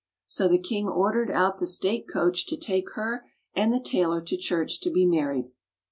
So the king ordered out the state coach to take her and the tailor to church to be married.